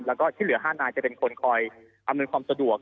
แล้วก็ที่เหลือ๕นายจะเป็นคนคอยอำนวยความสะดวก